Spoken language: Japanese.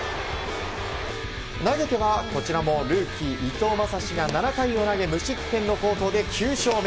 投げてはこちらもルーキー伊藤将司が７回を投げ無失点の好投で９勝目。